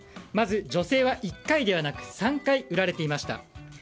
まず、女性は１回ではなく３回売られていました。